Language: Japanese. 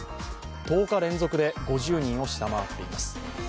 １０日連続で５０人を下回っています。